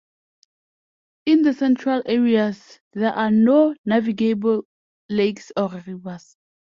In the central areas there are no navigable lakes or rivers.